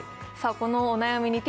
このお悩みにて